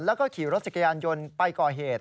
แล้วก็ขี่รถจักรยานยนต์ไปก่อเหตุ